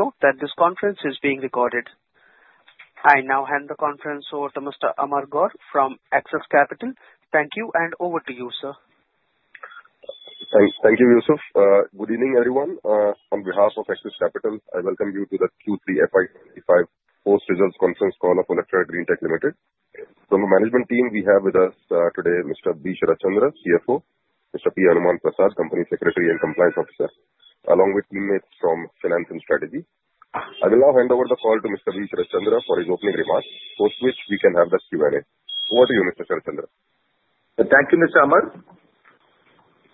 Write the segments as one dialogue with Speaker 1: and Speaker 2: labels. Speaker 1: Note that this conference is being recorded. I now hand the conference over to Mr. Amar Gore from Axis Capital. Thank you, and over to you, sir.
Speaker 2: Thank you, Yusuf. Good evening, everyone. On behalf of Axis Capital, I welcome you to the Q3 FY25 post-results conference call of Olectra Greentech Limited. From the management team, we have with us today Mr. B. Sharat Chandra, CFO, Mr. P. Hanuman Prasad, company secretary and compliance officer, along with teammates from finance and strategy. I will now hand over the call to Mr. B. Sharat Chandra for his opening remarks, post which we can have the Q&A. Over to you, Mr. Sharat Chandra.
Speaker 3: Thank you, Mr. Amar.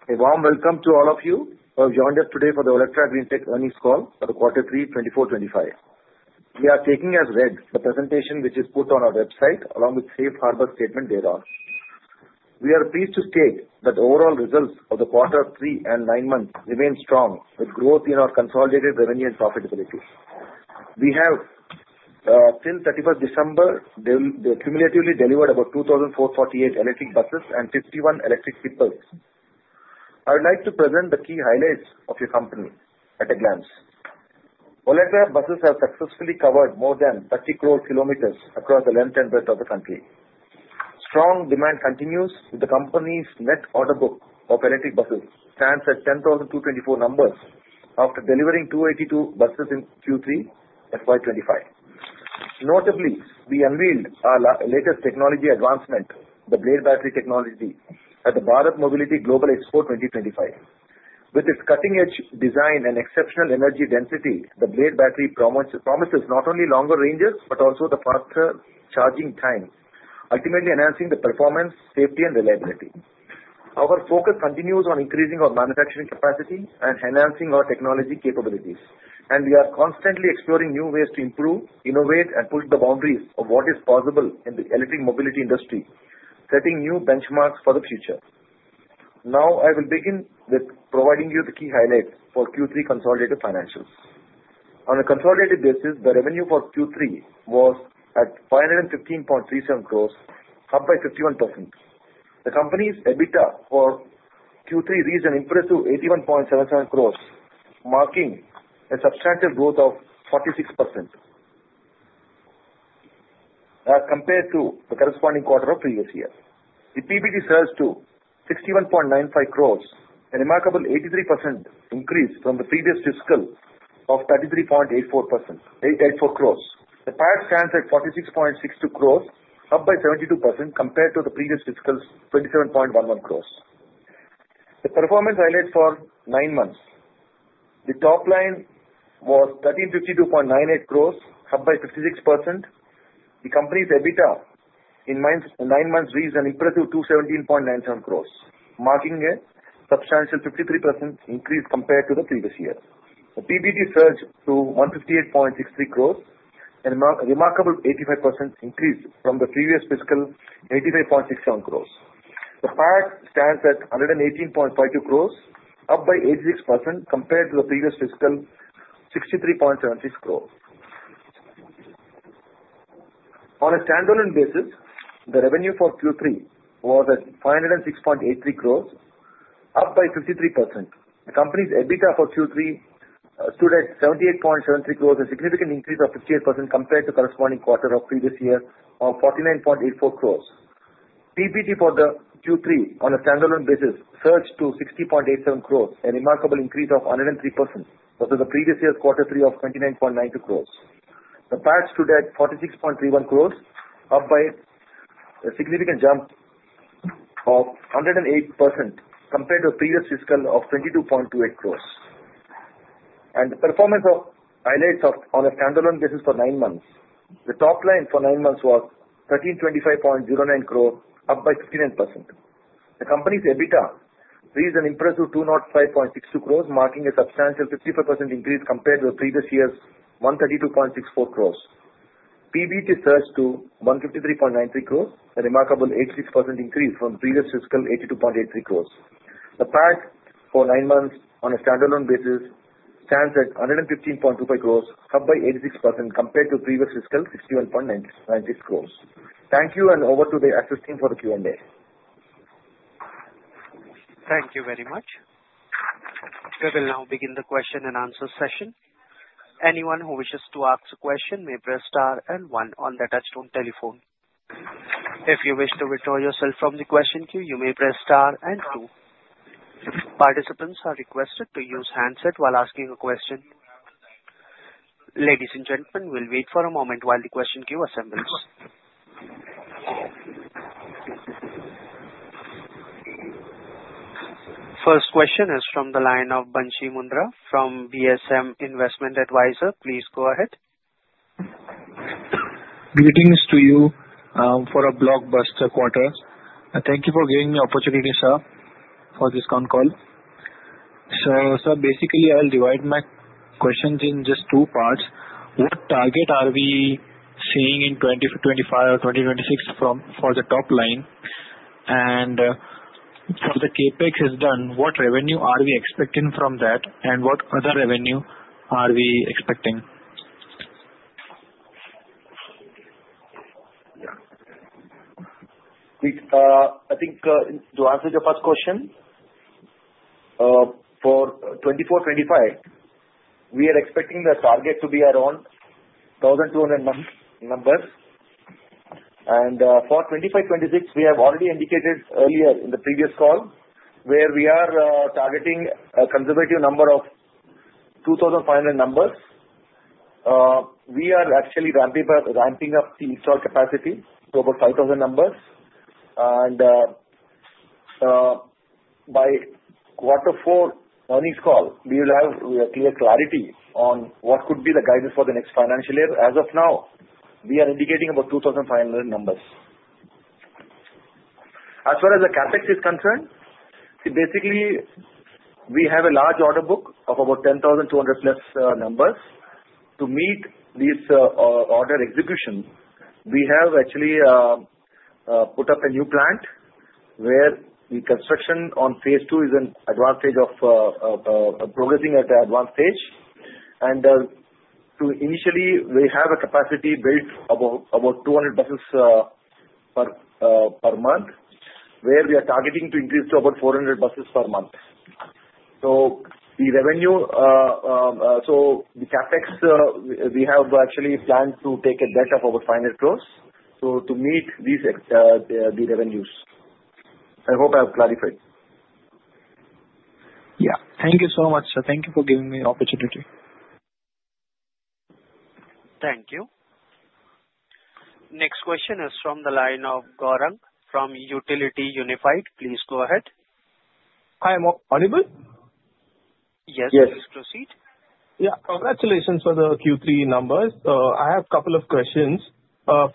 Speaker 3: A warm welcome to all of you who have joined us today for the Olectra Greentech earnings call for the Q3, 24-25. We are taking as read the presentation which is put on our website, along with the safe harbor statement thereon. We are pleased to state that overall results of the Q3 and nine months remain strong, with growth in our consolidated revenue and profitability. We have, till 31st December, cumulatively delivered about 2,448 electric buses and 51 electric vehicles. I would like to present the key highlights of your company at a glance. Olectra buses have successfully covered more than 30 crore kilometers across the length and breadth of the country. Strong demand continues, with the company's net order book of electric buses standing at 10,224 numbers after delivering 282 buses in Q3 FY25. Notably, we unveiled our latest technology advancement, the Blade Battery technology, at the Bharat Mobility Global Expo 2025. With its cutting-edge design and exceptional energy density, the Blade Battery promises not only longer ranges but also the faster charging time, ultimately enhancing the performance, safety, and reliability. Our focus continues on increasing our manufacturing capacity and enhancing our technology capabilities, and we are constantly exploring new ways to improve, innovate, and push the boundaries of what is possible in the electric mobility industry, setting new benchmarks for the future. Now, I will begin with providing you the key highlights for Q3 consolidated financials. On a consolidated basis, the revenue for Q3 was at 515.37 crores, up by 51%. The company's EBITDA for Q3 reached an impressive 81.77 crores, marking a substantive growth of 46% compared to the corresponding quarter of previous year. The PBT stands at 61.95 crores, a remarkable 83% increase from the previous fiscal of 33.84 crores. The PAT stands at 46.62 crores, up by 72% compared to the previous fiscal's 27.11 crores. The performance highlights for nine months: the top line was 1,352.98 crores, up by 56%. The company's EBITDA in nine months reached an impressive 217.97 crores, marking a substantial 53% increase compared to the previous year. The PBT stands at 158.63 crores, a remarkable 85% increase from the previous fiscal's 85.67 crores. The PAT stands at 118.52 crores, up by 86% compared to the previous fiscal's 63.76 crores. On a standalone basis, the revenue for Q3 was at 506.83 crores, up by 53%. The company's EBITDA for Q3 stood at 78.73 crores, a significant increase of 58% compared to the corresponding quarter of previous year of 49.84 crores. PBT for Q3, on a standalone basis, surged to 60.87 crores, a remarkable increase of 103%, compared to the previous year's Q3 of 29.92 crores. The PAT stood at 46.31 crores, up by a significant jump of 108% compared to the previous fiscal of 22.28 crores. And the performance highlights on a standalone basis for nine months: the top line for nine months was 1,325.09 crores, up by 59%. The company's EBITDA reached an impressive 205.62 crores, marking a substantial 55% increase compared to the previous year's 132.64 crores. PBT swelled to 153.93 crores, a remarkable 86% increase from the previous fiscal's 82.83 crores. The PAT for nine months, on a standalone basis, stands at 115.25 crores, up by 86% compared to the previous fiscal's 61.96 crores. Thank you, and over to the Axis team for the Q&A.
Speaker 1: Thank you very much. We will now begin the question and answer session. Anyone who wishes to ask a question may press star and one on the touch-tone telephone. If you wish to withdraw yourself from the question queue, you may press star and two. Participants are requested to use handset while asking a question. Ladies and gentlemen, we'll wait for a moment while the question queue assembles. First question is from the line of Bansi Mundra from BSM Investment Advisors. Please go ahead.
Speaker 4: Greetings to you for a blockbuster quarter. Thank you for giving me the opportunity, sir, for this phone call. So, sir, basically, I'll divide my questions in just two parts. What target are we seeing in 2025 or 2026 for the top line? And from the Capex done, what revenue are we expecting from that, and what other revenue are we expecting?
Speaker 3: I think to answer your first question, for 24-25, we are expecting the target to be around 1,200 numbers. And for 25-26, we have already indicated earlier in the previous call where we are targeting a conservative number of 2,500 numbers. We are actually ramping up the installed capacity to about 5,000 numbers. And by Q4 earnings call, we will have clear clarity on what could be the guidance for the next financial year. As of now, we are indicating about 2,500 numbers. As far as the CapEx is concerned, basically, we have a large order book of about 10,200 plus numbers. To meet this order execution, we have actually put up a new plant where the construction on phase two is progressing at an advanced stage. Initially, we have a capacity built of about 200 buses per month, where we are targeting to increase to about 400 buses per month. The revenue, so the CapEx, we have actually planned to take a bet of about INR 500 crores to meet the revenues. I hope I have clarified.
Speaker 4: Yeah. Thank you so much, sir. Thank you for giving me the opportunity.
Speaker 1: Thank you. Next question is from the line of Gaurang from Utility Unified. Please go ahead. Hi, I'm Amar. Yes. Yes. Please proceed. Yeah. Congratulations for the Q3 numbers. I have a couple of questions.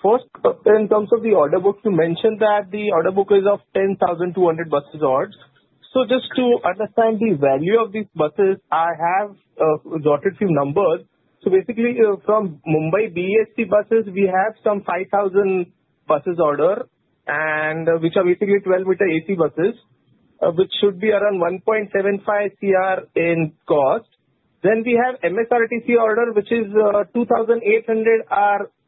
Speaker 1: First, in terms of the order book, you mentioned that the order book is of 10,200 buses orders. So just to understand the value of these buses, I have jotted a few numbers. So basically, from Mumbai BEST buses, we have some 5,000 buses ordered, which are basically 12-meter AC buses, which should be around 1.75 crore in cost. Then we have MSRTC order, which is 2,800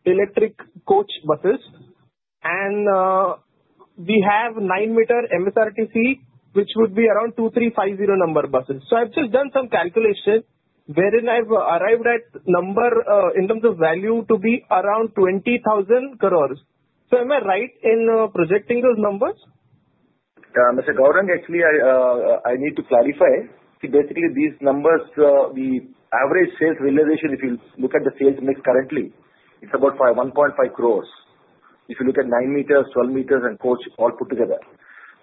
Speaker 1: electric coach buses. And we have 9-meter MSRTC, which would be around 2,350 number buses. So I've just done some calculation, wherein I've arrived at number in terms of value to be around 20,000 crores. So am I right in projecting those numbers?
Speaker 3: Mr. Gaurang, actually, I need to clarify. Basically, these numbers, the average sales realization, if you look at the sales mix currently, it's about 1.5 crores. If you look at 9-meters, 12-meters, and coach all put together.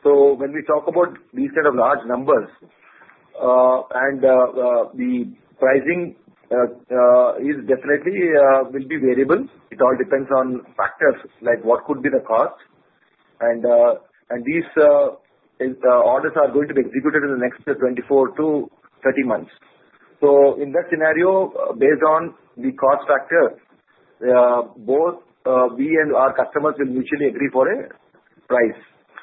Speaker 3: So when we talk about these kind of large numbers, and the pricing is definitely will be variable. It all depends on factors like what could be the cost. And these orders are going to be executed in the next 24 to 30 months. So in that scenario, based on the cost factor, both we and our customers will mutually agree for a price.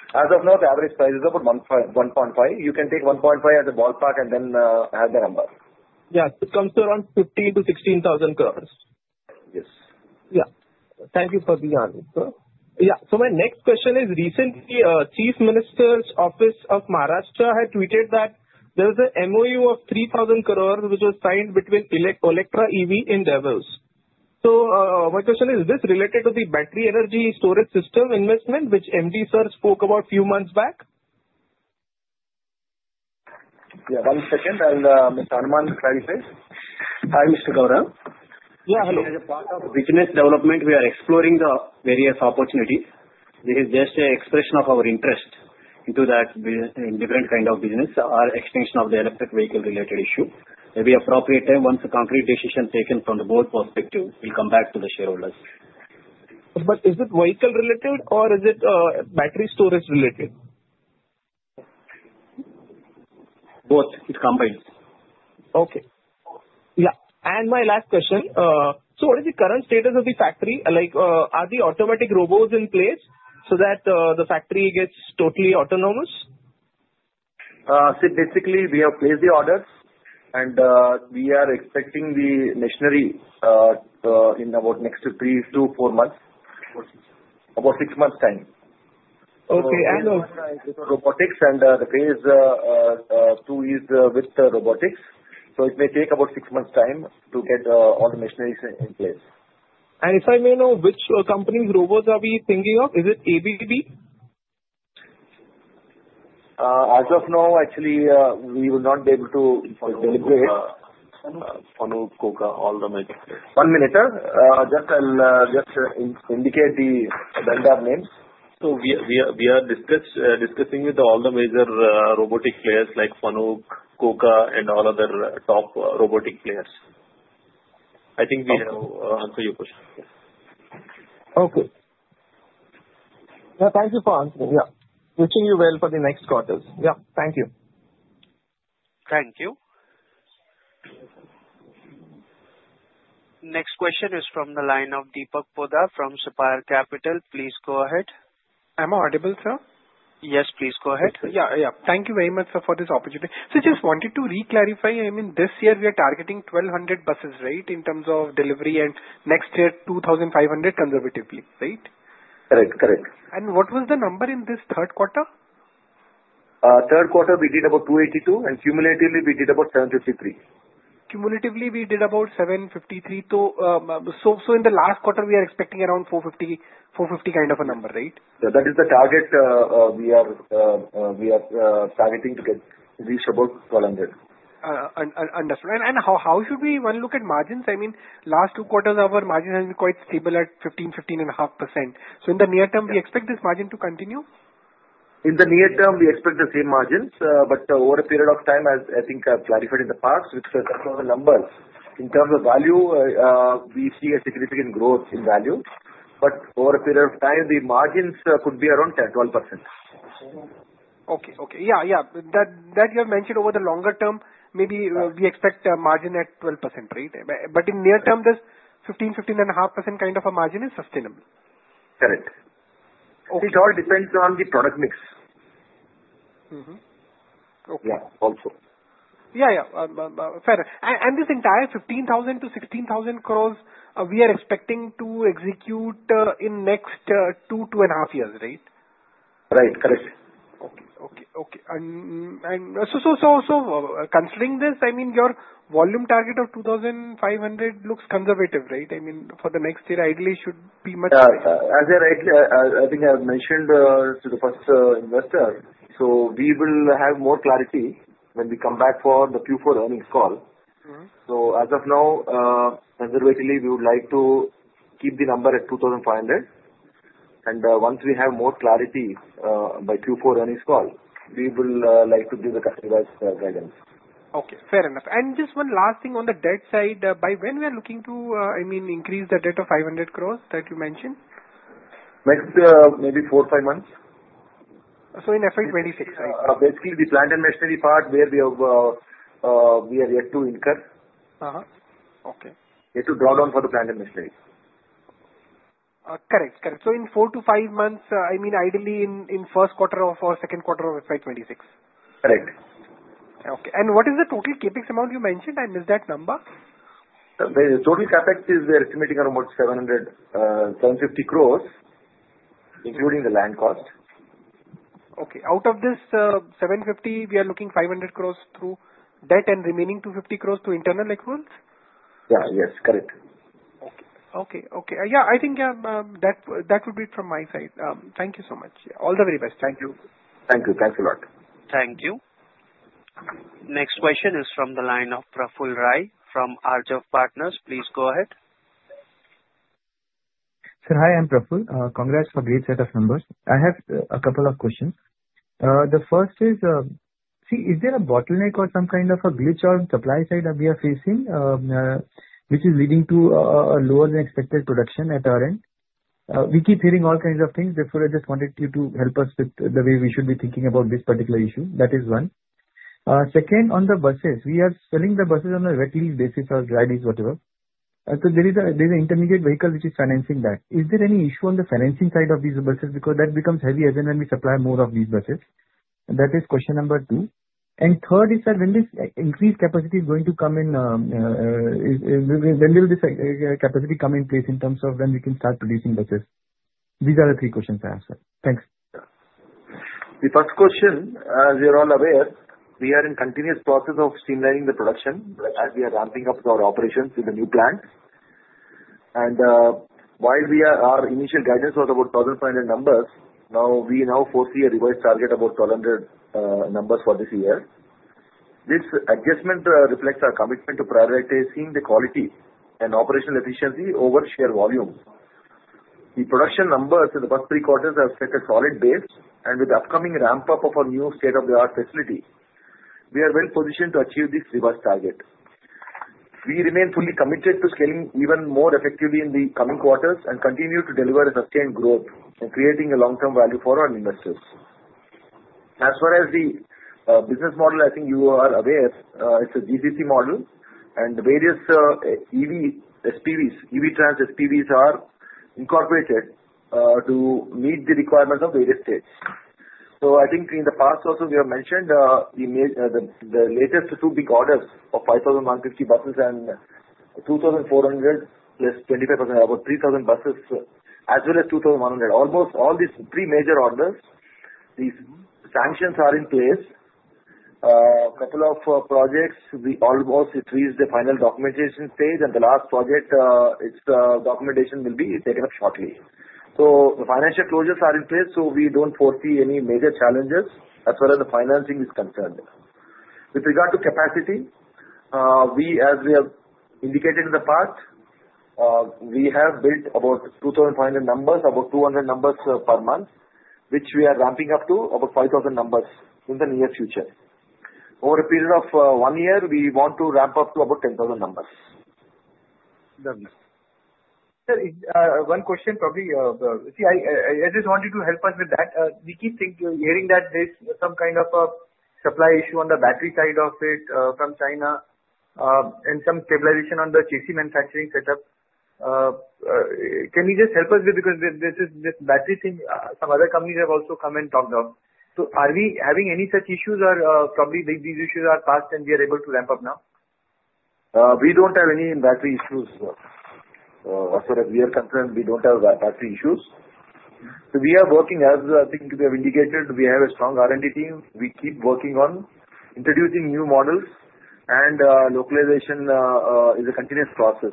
Speaker 3: As of now, the average price is about 1.5. You can take 1.5 as a ballpark and then add the number. Yeah. It comes to around 15,000-16,000 crores. Yes. Thank you for the answer. So my next question is, recently, Chief Minister's Office of Maharashtra had tweeted that there was an MOU of 3,000 crores which was signed between Olectra EV and Davos. So my question is, is this related to the battery energy storage system investment which MD sir spoke about a few months back? Yeah. One second, and Mr. Hanuman will clarify. Hi, Mr. Gaurang. Yeah. Hello. As a part of business development, we are exploring the various opportunities. This is just an expression of our interest into that different kind of business, our extension of the electric vehicle-related issue. Maybe appropriate time, once a concrete decision is taken from the board perspective, we'll come back to the shareholders. Is it vehicle-related, or is it battery storage-related? Both. It combines. Okay. Yeah. My last question. What is the current status of the factory? Are the automatic robots in place so that the factory gets totally autonomous? See, basically, we have placed the orders, and we are expecting the machinery in about next three to four months, about six months' time. Okay. And. This one is robotics, and the phase two is with robotics. So it may take about six months' time to get all the machineries in place. If I may know, which company's robots are we thinking of? Is it ABB? As of now, actually, we will not be able to deliver it. FANUC, KUKA, all the major players. One minute, sir. Just to indicate the vendor names. So we are discussing with all the major robotic players like FANUC, KUKA, and all other top robotic players. I think we have answered your question. Okay. Yeah. Thank you for answering. Yeah. Wishing you well for the next quarters. Yeah. Thank you.
Speaker 1: Thank you. Next question is from the line of Deepak Poddar from Sapphire Capital. Please go ahead.
Speaker 5: I'm audible, sir?
Speaker 1: Yes, please go ahead.
Speaker 5: Yeah. Yeah. Thank you very much for this opportunity. So just wanted to re-clarify. I mean, this year, we are targeting 1,200 buses, right, in terms of delivery, and next year, 2,500 conservatively, right?
Speaker 3: Correct. Correct.
Speaker 5: What was the number in this Q3?
Speaker 3: Q3, we did about 282, and cumulatively, we did about 753.
Speaker 5: Cumulatively, we did about 753. So in the last quarter, we are expecting around 450, 450 kind of a number, right?
Speaker 3: Yeah. That is the target we are targeting to get reached about 1,200.
Speaker 5: Understood. And how should we look at margins? I mean, last two quarters, our margin has been quite stable at 15%, 15.5%. So in the near term, we expect this margin to continue?
Speaker 3: In the near term, we expect the same margins, but over a period of time, as I think I've clarified in the past, with certain numbers, in terms of value, we see a significant growth in value. But over a period of time, the margins could be around 12%.
Speaker 5: Yeah. That you have mentioned over the longer term, maybe we expect a margin at 12%, right? But in near term, this 15%-15.5% kind of a margin is sustainable.
Speaker 3: Correct. Okay.
Speaker 5: It all depends on the product mix. Okay.
Speaker 3: Yeah. Also.
Speaker 5: Yeah. Yeah. Fair. And this entire 15,000-16,000 crores, we are expecting to execute in the next two-and-a-half years, right?
Speaker 3: Right. Correct.
Speaker 5: Okay. And so considering this, I mean, your volume target of 2,500 looks conservative, right? I mean, for the next year, ideally, it should be much higher.
Speaker 3: As I think I have mentioned to the first investor, so we will have more clarity when we come back for the Q4 earnings call. So as of now, conservatively, we would like to keep the number at 2,500. And once we have more clarity by Q4 earnings call, we will like to give the customers guidance.
Speaker 5: Okay. Fair enough. And just one last thing on the debt side. By when we are looking to, I mean, increase the debt of 500 crores that you mentioned?
Speaker 3: Next maybe four or five months.
Speaker 5: So in FY26, right?
Speaker 3: Basically, the plant and machinery part where we are yet to incur. Okay. Yet to draw down for the plant and machinery.
Speaker 5: Correct. Correct. So in four to five months, I mean, ideally in Q1 or Q2 of FY26.
Speaker 3: Correct.
Speaker 5: Okay. And what is the total Capex amount you mentioned? I missed that number.
Speaker 3: The total Capex is estimating around about 750 crores, including the land cost.
Speaker 5: Okay. Out of this 750, we are looking 500 crores through debt and remaining 250 crores through internal equivalence?
Speaker 3: Yeah. Yes. Correct.
Speaker 5: Okay. Okay. Okay. Yeah. I think that would be it from my side. Thank you so much. All the very best. Thank you.
Speaker 3: Thank you. Thanks a lot.
Speaker 1: Thank you. Next question is from the line of Praful Rai from Arjava Partners. Please go ahead.
Speaker 6: Sir, hi. I'm Praful. Congrats for a great set of numbers. I have a couple of questions. The first is, see, is there a bottleneck or some kind of a glitch on supply side that we are facing, which is leading to a lower than expected production at our end? We keep hearing all kinds of things. Therefore, I just wanted you to help us with the way we should be thinking about this particular issue. That is one. Second, on the buses, we are selling the buses on a regular basis or rides, whatever. So there is an intermediate vehicle which is financing that. Is there any issue on the financing side of these buses because that becomes heavier than when we supply more of these buses? That is question number two. And third is, sir, when this increased capacity is going to come in, when will this capacity come in place in terms of when we can start producing buses? These are the three questions I have, sir. Thanks.
Speaker 3: The first question, as you're all aware, we are in continuous process of streamlining the production as we are ramping up our operations with the new plant. While our initial guidance was about 1,500 numbers, now we foresee a revised target about 1,200 numbers for this year. This adjustment reflects our commitment to prioritizing the quality and operational efficiency over sheer volume. The production numbers in the past three quarters have set a solid base, and with the upcoming ramp-up of our new state-of-the-art facility, we are well positioned to achieve this revised target. We remain fully committed to scaling even more effectively in the coming quarters and continue to deliver a sustained growth and creating a long-term value for our investors. As far as the business model, I think you are aware, it's a GCC model, and the various Evey SPVs, Evey Trans SPVs, are incorporated to meet the requirements of various states. So I think in the past also, we have mentioned the latest two big orders of 5,150 buses and 2,400 plus 25,000, about 3,000 buses, as well as 2,100. Almost all these three major orders, these sanctions are in place. A couple of projects, we almost reached the final documentation stage, and the last project, its documentation will be taken up shortly. So the financial closures are in place, so we don't foresee any major challenges as far as the financing is concerned. With regard to capacity, as we have indicated in the past, we have built about 2,500 numbers, about 200 numbers per month, which we are ramping up to about 5,000 numbers in the near future. Over a period of one year, we want to ramp up to about 10,000 numbers.
Speaker 6: Lovely. Sir, one question, probably. See, I just wanted to help us with that. We keep hearing that there's some kind of a supply issue on the battery side of it from China and some stabilization on the chassis manufacturing setup. Can you just help us with this? Because this battery thing, some other companies have also come and talked of. So are we having any such issues, or probably these issues are past and we are able to ramp up now?
Speaker 3: We don't have any battery issues. As far as we are concerned, we don't have battery issues. So we are working, as I think you have indicated, we have a strong R&D team. We keep working on introducing new models, and localization is a continuous process.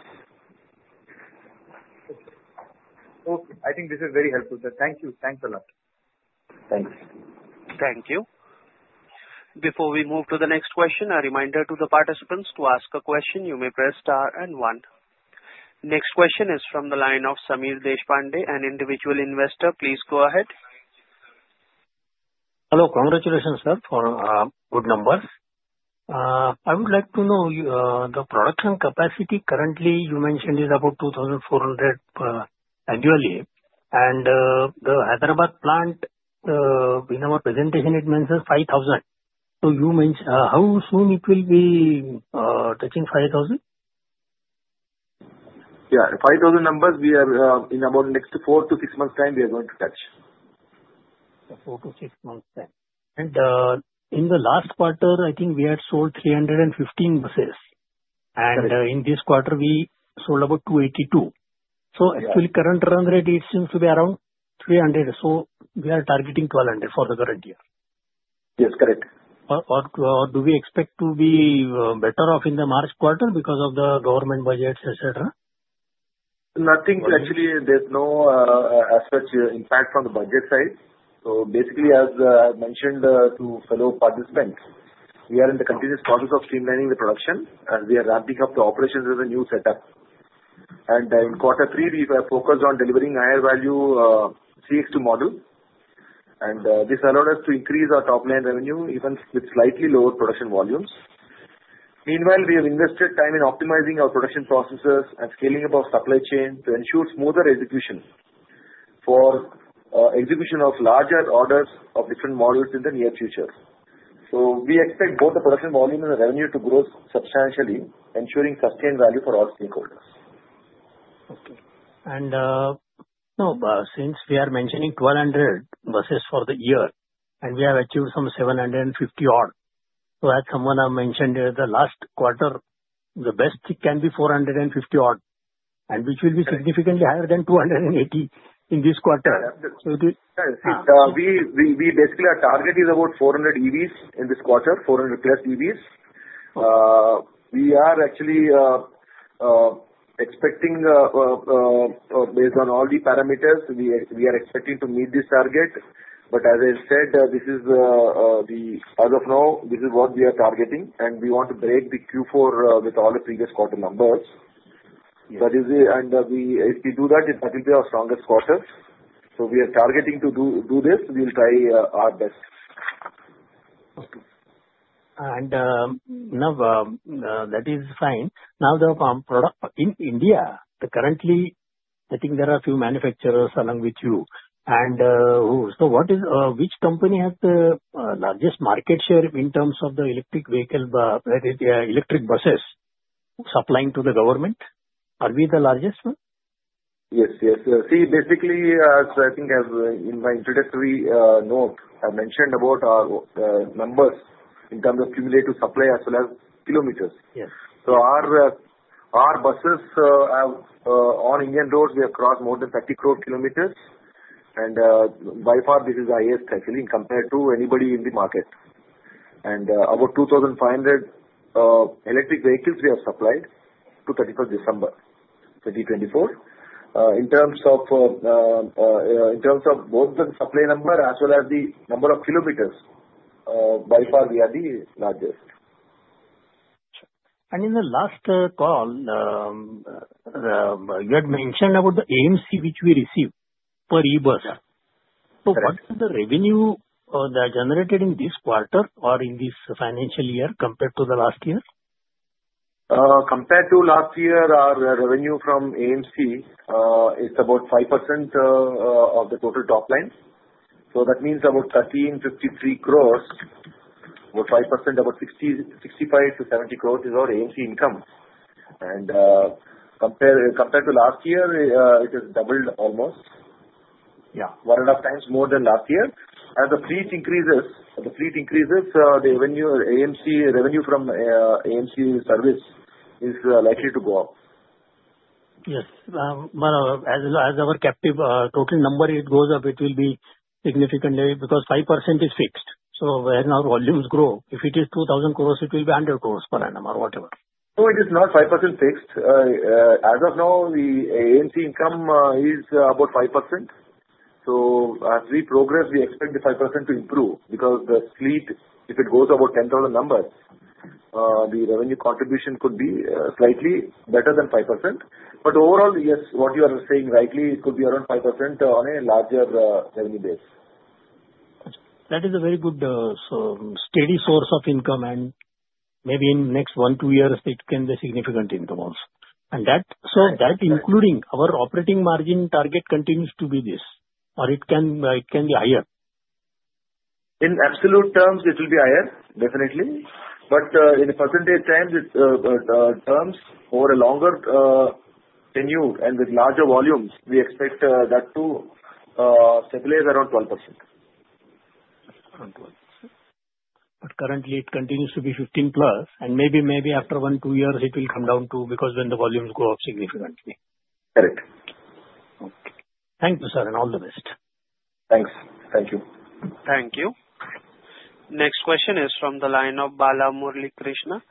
Speaker 3: So I think this is very helpful, sir. Thank you. Thanks a lot. Thanks.
Speaker 1: Thank you. Before we move to the next question, a reminder to the participants to ask a question. You may press star and one. Next question is from the line of Samir Deshpande, an individual investor. Please go ahead.
Speaker 7: Hello. Congratulations, sir, for good numbers. I would like to know the production capacity currently. You mentioned it's about 2,400 annually, and the Hyderabad plant, in our presentation, it mentions 5,000. So how soon it will be touching 5,000?
Speaker 3: Yeah. 5,000 numbers, in about next four to six months' time, we are going to touch.
Speaker 7: Four to six months' time. And in the last quarter, I think we had sold 315 buses. And in this quarter, we sold about 282. So actually, current run rate, it seems to be around 300. So we are targeting 1,200 for the current year.
Speaker 3: Yes. Correct.
Speaker 7: Or do we expect to be better off in the March quarter because of the government budgets, etc.?
Speaker 3: Nothing. Actually, there's no such impact on the budget side. So basically, as I mentioned to fellow participants, we are in the continuous process of streamlining the production, and we are ramping up the operations with a new setup. And in Q3, we focused on delivering higher-value CX2 model. And this allowed us to increase our top-line revenue even with slightly lower production volumes. Meanwhile, we have invested time in optimizing our production processes and scaling up our supply chain to ensure smoother execution of larger orders of different models in the near future. So we expect both the production volume and the revenue to grow substantially, ensuring sustained value for all stakeholders.
Speaker 7: Okay. And since we are mentioning 1,200 buses for the year, and we have achieved some 750 odd, so as someone mentioned here, the last quarter, the best it can be 450 odd, which will be significantly higher than 280 in this quarter.
Speaker 3: See, basically, our target is about 400 EVs in this quarter, 400 plus EVs. We are actually expecting, based on all the parameters, we are expecting to meet this target. But as I said, as of now, this is what we are targeting, and we want to break the Q4 with all the previous quarter numbers, and if we do that, it will be our strongest quarter, so we are targeting to do this. We'll try our best.
Speaker 7: Okay. And now that is fine. Now, the product in India, currently, I think there are a few manufacturers along with you. And so which company has the largest market share in terms of the electric vehicle, that is, electric buses supplying to the government? Are we the largest one?
Speaker 3: Yes. Yes. See, basically, as I think in my introductory note, I mentioned about our numbers in terms of cumulative supply as well as kilometers. So our buses on Indian roads, we have crossed more than 30 crore kilometers. And by far, this is the highest actually in compared to anybody in the market. And about 2,500 electric vehicles we have supplied to 31st December 2024. In terms of both the supply number as well as the number of kilometers, by far, we are the largest.
Speaker 7: Sure. And in the last call, you had mentioned about the AMC, which we receive per e-bus. So what is the revenue that is generated in this quarter or in this financial year compared to the last year?
Speaker 3: Compared to last year, our revenue from AMC is about 5% of the total top line. So that means about 1,353 crores, about 5%, about 65-70 crores is our AMC income. And compared to last year, it has doubled almost, one and a half times more than last year. As the fleet increases, the AMC revenue from AMC service is likely to go up.
Speaker 7: Yes. As our captive total number, it goes up, it will be significantly because 5% is fixed. So as our volumes grow, if it is 2,000 crores, it will be 100 crores per annum or whatever.
Speaker 3: No, it is not 5% fixed. As of now, the AMC income is about 5%. So as we progress, we expect the 5% to improve because the fleet, if it goes above 10,000 numbers, the revenue contribution could be slightly better than 5%. But overall, yes, what you are saying rightly, it could be around 5% on a larger revenue base.
Speaker 7: That is a very good steady source of income. And maybe in the next one, two years, it can be a significant income also. And so that, including our operating margin target, continues to be this, or it can be higher.
Speaker 3: In absolute terms, it will be higher, definitely. But in percentage terms, over a longer tenure and with larger volumes, we expect that to stabilize around 12%.
Speaker 7: Around 12%. But currently, it continues to be 15% plus. And maybe after one, two years, it will come down to because when the volumes go up significantly.
Speaker 3: Correct.
Speaker 7: Okay. Thank you, sir, and all the best.
Speaker 3: Thanks. Thank you.
Speaker 1: Thank you. Next question is from the line of Bala Murali Krishna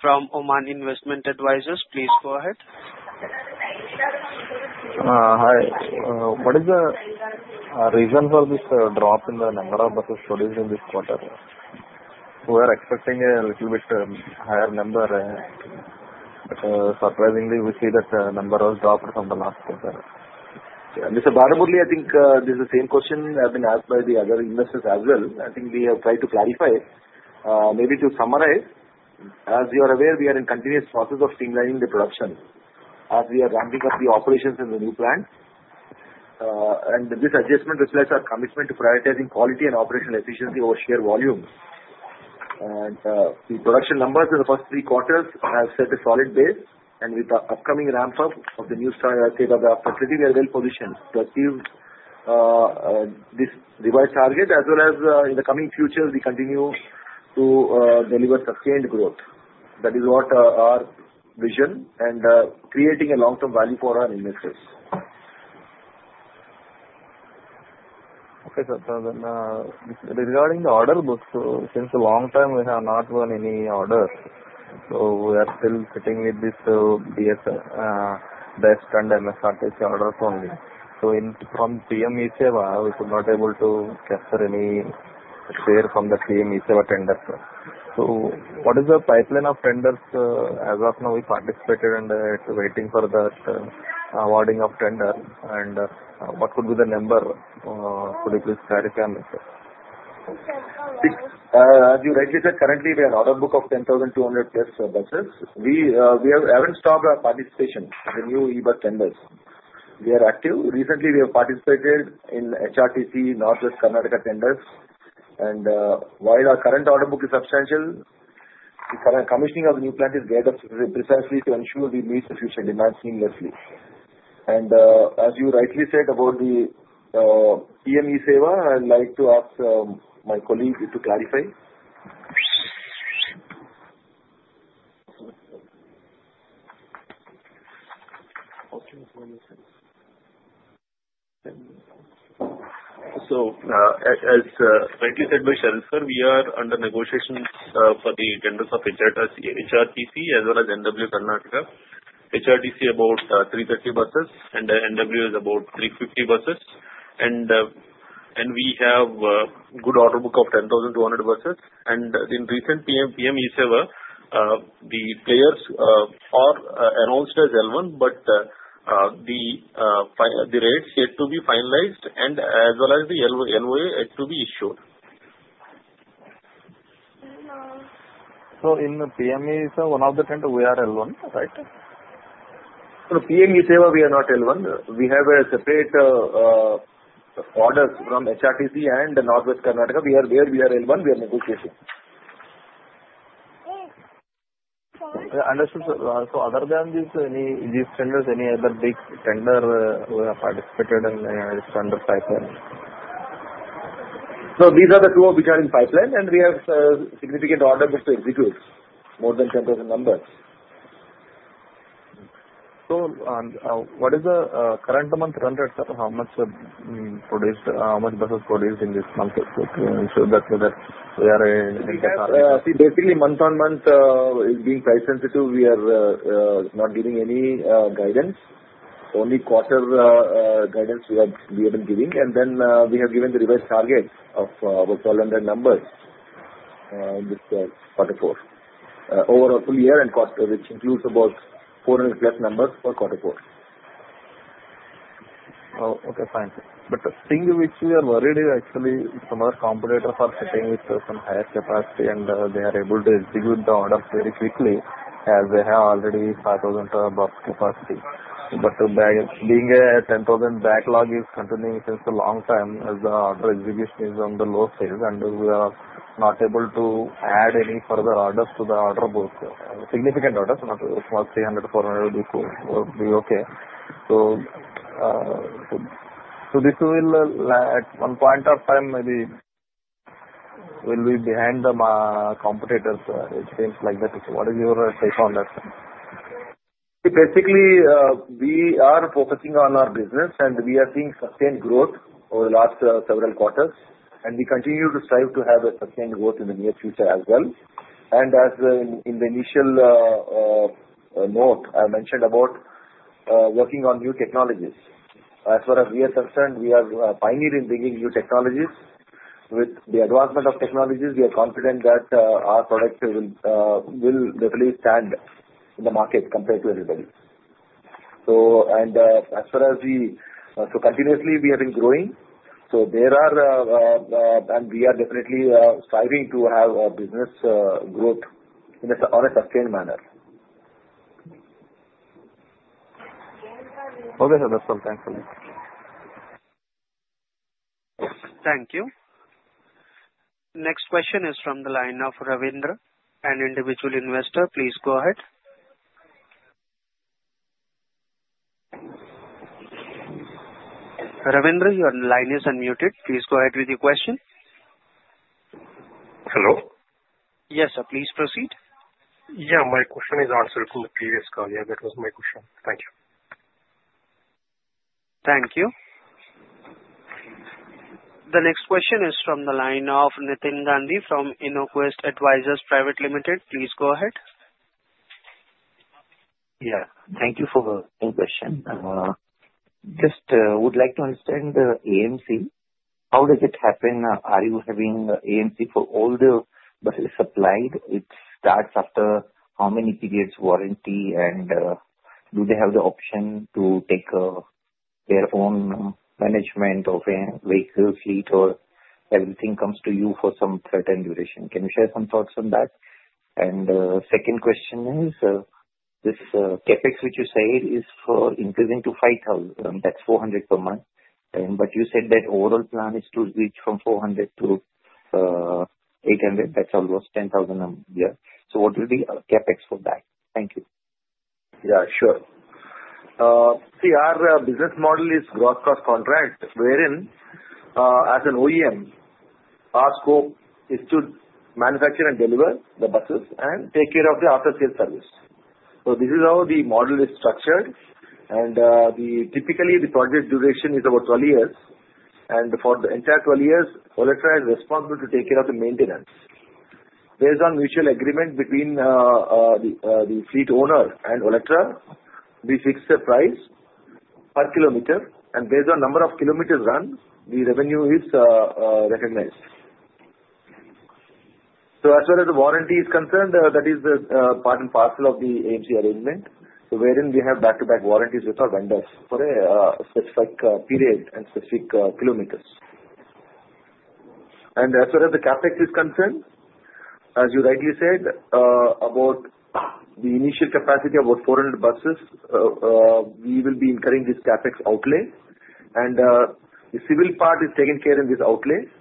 Speaker 1: from Oman Investment Advisors. Please go ahead.
Speaker 8: Hi. What is the reason for this drop in the number of buses produced in this quarter? We were expecting a little bit higher number, but surprisingly, we see that the number has dropped from the last quarter.
Speaker 3: Mr. Bala Murali, I think this is the same question I've been asked by the other investors as well. I think we have tried to clarify it. Maybe to summarize, as you are aware, we are in continuous process of streamlining the production as we are ramping up the operations in the new plant. And this adjustment reflects our commitment to prioritizing quality and operational efficiency over sheer volume. And the production numbers in the past three quarters have set a solid base. And with the upcoming ramp-up of the new state-of-the-art facility, we are well positioned to achieve this revised target. As well as in the coming future, we continue to deliver sustained growth. That is what our vision and creating a long-term value for our investors.
Speaker 8: Okay, sir. So then, regarding the order books, since a long time, we have not won any orders. So we are still sitting with these CESL, BEST, and MSRTC orders only. So from PM-eBus, we could not able to capture any share from the PM-eBus tenders. So what is the pipeline of tenders? As of now, we participated and it's waiting for the awarding of tenders. And what could be the number? Could you please clarify on this?
Speaker 3: As you rightly said, currently, we have an order book of 10,200 plus buses. We haven't stopped our participation with new e-bus tenders. We are active. Recently, we have participated in HRTC North Western Karnataka tenders. While our current order book is substantial, the commissioning of the new plant is geared up precisely to ensure we meet the future demand seamlessly. As you rightly said about the PM-eBus, I'd like to ask my colleague to clarify. So as rightly said by Sharat sir, we are under negotiations for the tenders of HRTC as well as NW Karnataka. HRTC about 330 buses, and NW is about 350 buses. We have a good order book of 10,200 buses. In recent PM-eBus, the players are announced as L1, but the rates yet to be finalized, and as well as the LOA yet to be issued.
Speaker 8: So in the PMECE, one of the tenders, we are L1, right?
Speaker 3: For PMECE, we are not L1. We have separate orders from HRTC and North Western Karnataka. We are there, we are L1, we are negotiating.
Speaker 8: Understood, sir. So other than this, these tenders, any other big tender we have participated in under pipeline?
Speaker 3: So these are the two of which are in pipeline, and we have significant order books to execute, more than 10,000 numbers.
Speaker 8: What is the current month run rate, sir? How much buses produced in this month? So that we are in.
Speaker 3: See, basically, month on month is being price sensitive. We are not giving any guidance. Only quarter guidance we have been giving, and then we have given the revised target of about 1,200 numbers in this Q4 over a full year, which includes about 400 plus numbers for Q4.
Speaker 8: Okay, fine. But the thing which we are worried is actually some of our competitors are sitting with some higher capacity, and they are able to execute the orders very quickly as they have already 5,000 bus capacity. But being a 10,000 backlog is continuing since a long time as the order execution is on the low stage, and we are not able to add any further orders to the order books. Significant orders, not small 300, 400 would be okay. So this will, at one point of time, maybe will be behind the competitors, it seems like that. What is your take on that?
Speaker 3: Basically, we are focusing on our business, and we are seeing sustained growth over the last several quarters, and we continue to strive to have a sustained growth in the near future as well, and as in the initial note, I mentioned about working on new technologies. As far as we are concerned, we are pioneers in bringing new technologies. With the advancement of technologies, we are confident that our product will definitely stand in the market compared to everybody, and as far as, so continuously, we have been growing. So there are, and we are definitely striving to have our business growth in a sustained manner.
Speaker 8: Okay, sir. That's all. Thanks for the question.
Speaker 1: Thank you. Next question is from the line of Ravindra, an individual investor. Please go ahead. Ravindra, your line is unmuted. Please go ahead with your question.
Speaker 9: Hello?
Speaker 1: Yes, sir. Please proceed.
Speaker 9: Yeah. My question is answered from the previous call. Yeah, that was my question. Thank you.
Speaker 1: Thank you. The next question is from the line of Nitin Gandhi from InoQuest Advisors Private Limited. Please go ahead.
Speaker 10: Yeah. Thank you for the question. Just would like to understand the AMC. How does it happen? Are you having AMC for all the buses supplied? It starts after how many periods warranty, and do they have the option to take their own management of a vehicle fleet, or everything comes to you for some certain duration? Can you share some thoughts on that? And second question is, this CapEx, which you said, is for increasing to 5,000. That's 400 per month. But you said that overall plan is to reach from 400 to 800. That's almost 10,000 a year. So what will be CapEx for that? Thank you.
Speaker 3: Yeah, sure. See, our business model is gross cost contract, wherein as an OEM, our scope is to manufacture and deliver the buses and take care of the after-sales service. So this is how the model is structured. And typically, the project duration is about 12 years. And for the entire 12 years, Olectra is responsible to take care of the maintenance. Based on mutual agreement between the fleet owner and Olectra, we fix the price per kilometer. And based on number of kilometers run, the revenue is recognized. So as far as the warranty is concerned, that is part and parcel of the AMC arrangement, wherein we have back-to-back warranties with our vendors for a specified period and specific kilometers. And as far as the CapEx is concerned, as you rightly said, about the initial capacity of about 400 buses, we will be incurring this CapEx outlay. And the civil part is taken care of in this outlay.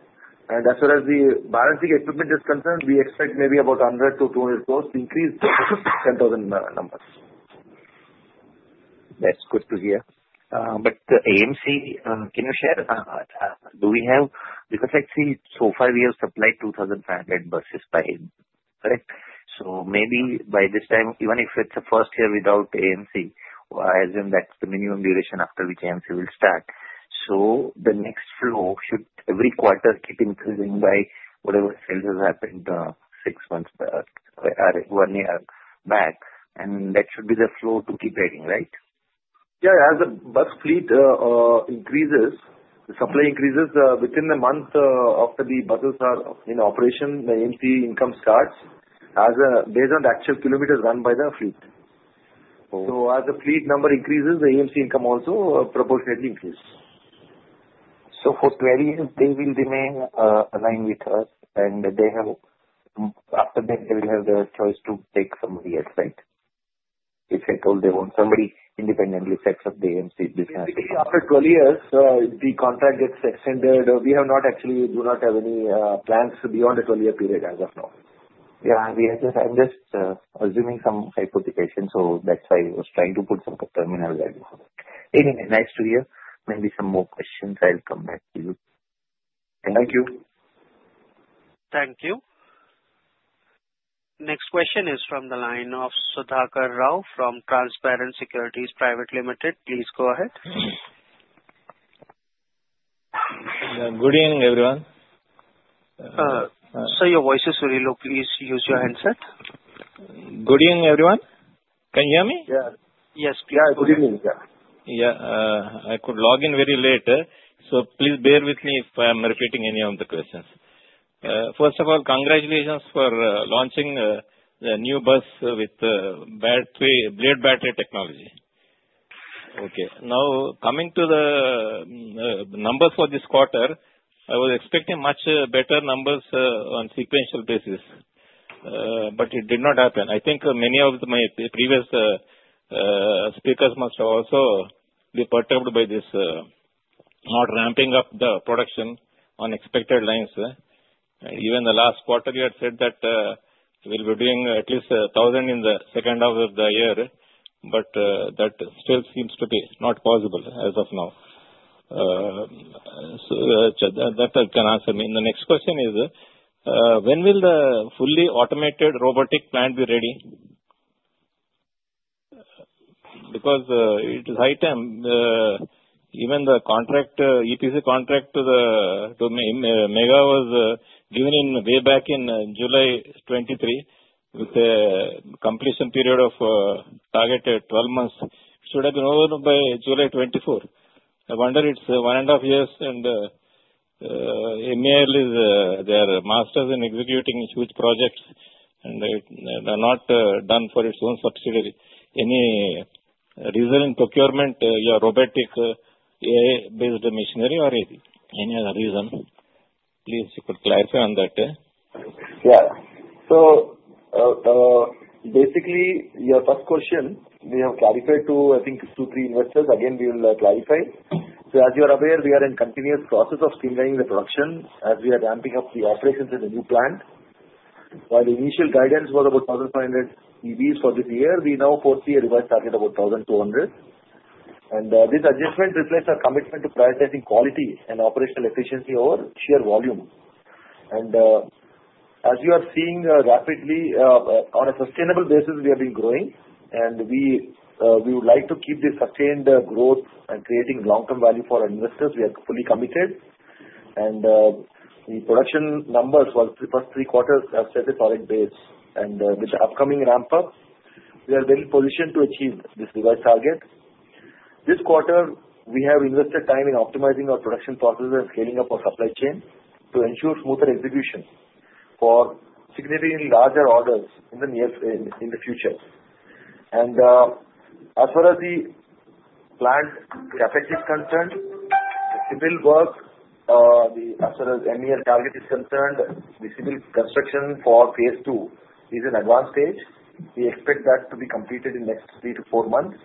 Speaker 3: And as far as the balancing equipment is concerned, we expect maybe about 100-200 crores to increase to 10,000 numbers.
Speaker 10: That's good to hear. But AMC, can you share? Do we have? Because I see so far, we have supplied 2,500 buses by now. Correct? So maybe by this time, even if it's a first year without AMC, I assume that's the minimum duration after which AMC will start. So the next flow should every quarter keep increasing by whatever sales have happened six months or one year back. And that should be the flow to keep adding, right?
Speaker 3: Yeah. As the bus fleet increases, the supply increases within the month after the buses are in operation. The AMC income starts based on the actual kilometers run by the fleet, so as the fleet number increases, the AMC income also proportionately increases.
Speaker 10: So for 20 years, they will remain aligned with us, and after that, they will have the choice to take somebody else, right? If they told they want somebody independently to accept the AMC business.
Speaker 3: Basically, after 12 years, the contract gets extended. We do not actually have any plans beyond the 12-year period as of now.
Speaker 10: Yeah. I'm just assuming some hypothesis, so that's why I was trying to put some terminal value for it. Anyway, next two years, maybe some more questions. I'll come back to you.
Speaker 3: Thank you.
Speaker 1: Thank you. Next question is from the line of Sudhakar Rao from Transparent Securities Private Limited. Please go ahead.
Speaker 11: Good evening, everyone.
Speaker 1: Sir, your voice is very low. Please use your handset.
Speaker 11: Good evening, everyone. Can you hear me?
Speaker 3: Yeah.
Speaker 1: Yes, please.
Speaker 3: Yeah, good evening.
Speaker 11: Yeah. I could log in very late, so please bear with me if I'm repeating any of the questions. First of all, congratulations for launching the new bus with blade battery technology. Okay. Now, coming to the numbers for this quarter, I was expecting much better numbers on a sequential basis, but it did not happen. I think many of my previous speakers must also be perturbed by this not ramping up the production on expected lines. Even the last quarter, you had said that we'll be doing at least 1,000 in the second half of the year, but that still seems to be not possible as of now. So that can answer me. The next question is, when will the fully automated robotic plant be ready? Because it is high time. Even the contract, EPC contract to Megha was given way back in July 2023 with a completion period of targeted 12 months. It should have been over by July 2024. I wonder it's one and a half years, and MEIL is they're masters in executing huge projects, and they're not done for its own subsidiary. Any reason in procurement, your robotic AI-based machinery or any other reason? Please clarify on that.
Speaker 3: Yeah. So basically, your first question, we have clarified to, I think, two or three investors. Again, we will clarify. So as you are aware, we are in continuous process of streamlining the production as we are ramping up the operations of the new plant. While initial guidance was about 1,500 EVs for this year, we now foresee a revised target of about 1,200. And this adjustment reflects our commitment to prioritizing quality and operational efficiency over sheer volume. And as you are seeing rapidly, on a sustainable basis, we have been growing, and we would like to keep this sustained growth and creating long-term value for our investors. We are fully committed, and the production numbers for the first three quarters are set at audited basis. And with the upcoming ramp-up, we are well positioned to achieve this revised target. This quarter, we have invested time in optimizing our production processes and scaling up our supply chain to ensure smoother execution for significantly larger orders in the future. And as far as the plant CapEx is concerned, the civil work, as far as MEIL target is concerned, the civil construction for phase two is in advanced stage. We expect that to be completed in the next three to four months.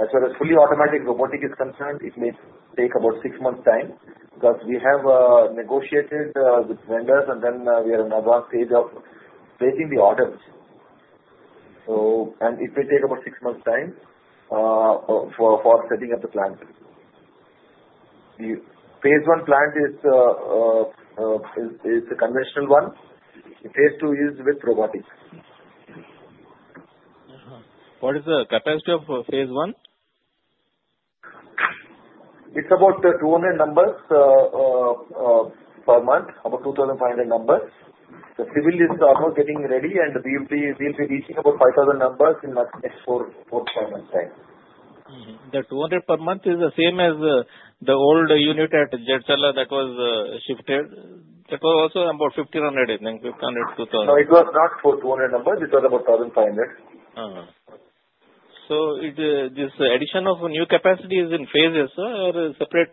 Speaker 3: As far as fully automatic robotic is concerned, it may take about six months' time because we have negotiated with vendors, and then we are in advanced stage of placing the orders. And it will take about six months' time for setting up the plant. Phase one plant is a conventional one. Phase two is with robotics.
Speaker 11: What is the capacity of phase one?
Speaker 3: It's about 200 numbers per month, about 2,500 numbers. The civil is almost getting ready, and we'll be reaching about 5,000 numbers in the next four to five months' time.
Speaker 11: The 200 per month is the same as the old unit at Cherlapally that was shifted? That was also about 1,500, then 1,500, 2,000.
Speaker 3: No, it was not for 200 numbers. It was about 1,500.
Speaker 11: So this addition of new capacity is in phases or separate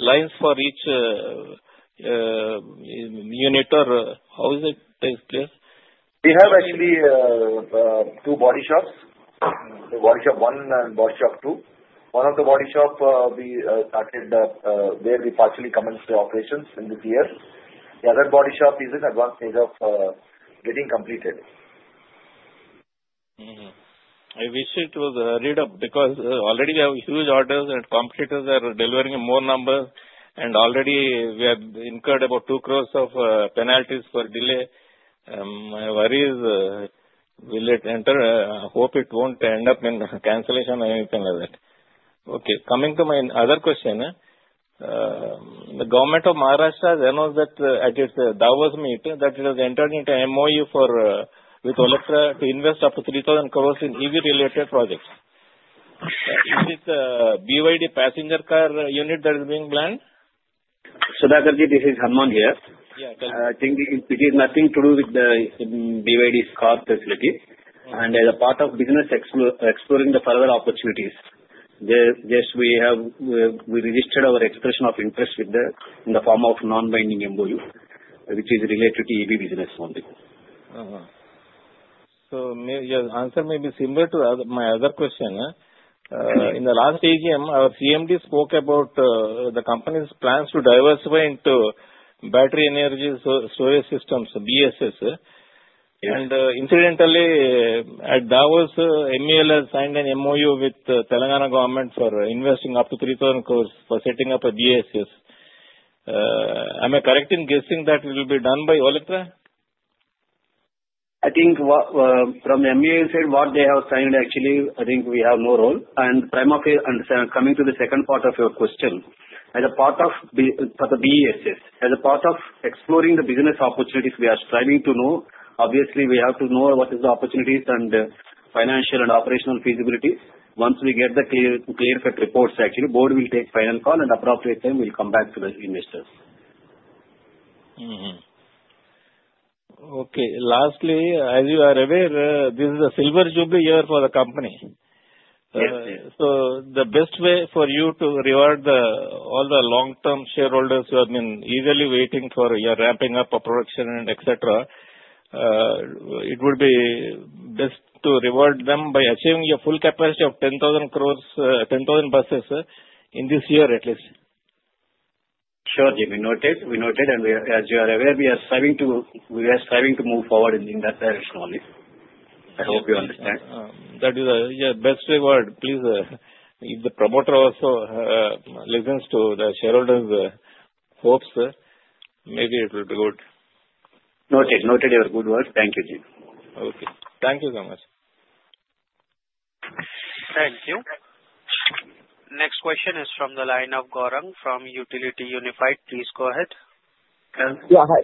Speaker 11: lines for each unit? Or how does it take place?
Speaker 3: We have actually two body shops, body shop one and body shop two. One of the body shop, we started where we partially commenced the operations in this year. The other body shop is in advanced stage of getting completed.
Speaker 11: I wish it was a read-up because already we have huge orders, and competitors are delivering more numbers, and already we have incurred about 2 crore of penalties for delay. My worry is will it enter? I hope it won't end up in cancellation or anything like that. Okay. Coming to my other question, the government of Maharashtra has announced that at its Davos meet that it has entered into an MOU with Olectra to invest up to 3,000 crore in EV-related projects. Is it the BYD passenger car unit that is being planned?
Speaker 12: Sudhakar Ji, this is Hanuman here.
Speaker 11: Yeah, tell me.
Speaker 12: I think it is nothing to do with the BYD's car facility, and as a part of business, exploring the further opportunities, we registered our expression of interest in the form of a non-binding MOU, which is related to EV business only.
Speaker 11: So your answer may be similar to my other question. In the last EGM, our CMD spoke about the company's plans to diversify into battery energy storage systems, BESS. And incidentally, at Davos, MEL has signed an MOU with Telangana government for investing up to 3,000 crores for setting up a BESS. Am I correct in guessing that it will be done by Olectra?
Speaker 3: I think from the MEL side, what they have signed, actually, I think we have no role, and coming to the second part of your question, as a part of for the BESS, as a part of exploring the business opportunities, we are striving to know. Obviously, we have to know what are the opportunities and financial and operational feasibility. Once we get the clear-cut reports, actually, the board will take final call, and at the appropriate time, we'll come back to the investors.
Speaker 11: Okay. Lastly, as you are aware, this is a silver jubilee year for the company. So the best way for you to reward all the long-term shareholders who have been eagerly waiting for your ramping up of production and etc., it would be best to reward them by achieving your full capacity of 10,000 crores, 10,000 buses in this year at least.
Speaker 12: Sure. We noted, and as you are aware, we are striving to move forward in that direction only. I hope you understand.
Speaker 11: That is the best way forward. Please, if the promoter also listens to the shareholders' hopes, maybe it will be good.
Speaker 12: Noted. Noted your good word. Thank you, Ji.
Speaker 11: Okay. Thank you so much.
Speaker 1: Thank you. Next question is from the line of Gaurang from Utility Unified. Please go ahead. Yeah. Hi.